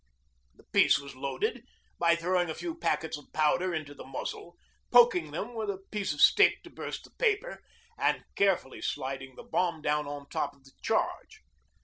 The piece was loaded by throwing a few packets of powder into the muzzle, poking them with a piece of stick to burst the paper, and carefully sliding the bomb down on top of the charge.